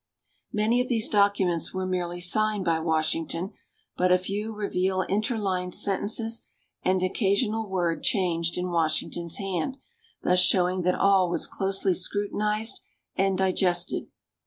Many of these documents were merely signed by Washington, but a few reveal interlined sentences and an occasional word changed in Washington's hand, thus showing that all was closely scrutinized and digested.